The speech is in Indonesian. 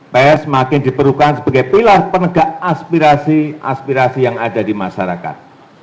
pers makin diperlukan sebagai pilar penegak aspirasi aspirasi yang ada di masyarakat